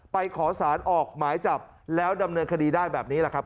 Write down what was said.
ขอสารออกหมายจับแล้วดำเนินคดีได้แบบนี้แหละครับ